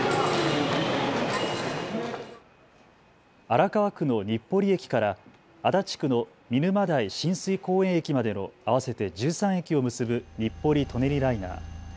荒川区の日暮里駅から足立区の見沼代親水公園駅までの合わせて１３駅を結ぶ日暮里・舎人ライナー。